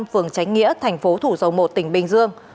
phường chánh nghĩa tp thủ dầu một tỉnh bình dương